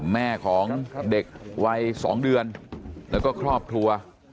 แม่ของเด็กวัย๒เดือนแล้วก็ครอบครัว